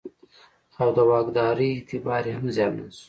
او د واکدارۍ اعتبار یې هم زیانمن شو.